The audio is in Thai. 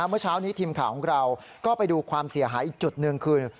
เมื่อเช้านี้ทีมข่าวของเราก็ไปดูความเสียหายอีกจุดหนึ่งคือ